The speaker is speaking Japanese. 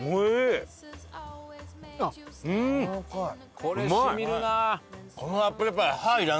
これ染みるな。